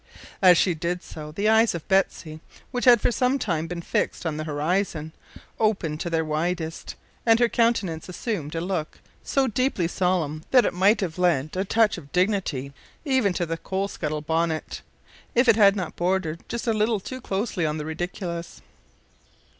As she did so the eyes of Betsy, which had for some time been fixed on the horizon, opened to their widest, and her countenance assumed a look so deeply solemn that it might have lent a touch of dignity even to the coal scuttle bonnet, if it had not bordered just a little too closely on the ridiculous.